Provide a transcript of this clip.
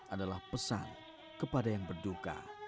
adalah pesan kepada yang berduka